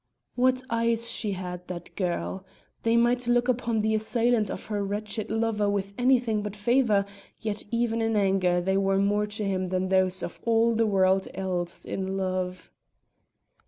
What eyes she had, that girl! They might look upon the assailant of her wretched lover with anything but favour; yet even in anger they were more to him than those of all the world else in love.